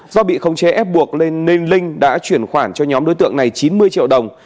do bị khống chế ép buộc nên nên linh đã chuyển khoản cho nhóm đối tượng này chín mươi triệu đồng